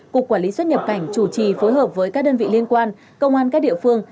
cục quản lý xuất nhập cảnh chủ trì phối hợp với các đơn vị liên quan công an các địa phương